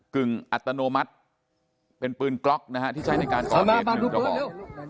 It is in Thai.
ึ่งอัตโนมัติเป็นปืนกล็อกนะฮะที่ใช้ในการก่อเหตุ๑กระบอก